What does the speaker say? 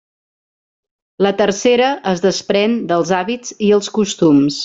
La tercera es desprèn dels hàbits i els costums.